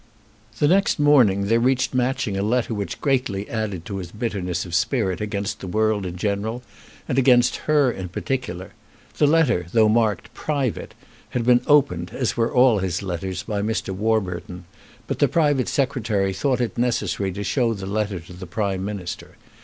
The next morning there reached Matching a letter which greatly added to his bitterness of spirit against the world in general and against her in particular. The letter, though marked "private," had been opened, as were all his letters, by Mr. Warburton, but the private Secretary thought it necessary to show the letter to the Prime Minister.